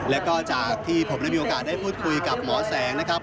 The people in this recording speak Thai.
แล้วก็จากที่ผมได้มีโอกาสได้พูดคุยกับหมอแสงนะครับ